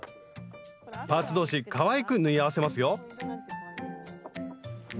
パーツ同士かわいく縫い合わせますよ